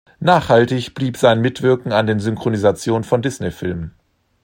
Nachhaltig blieb sein Mitwirken an der Synchronisation von Disney-Filmen.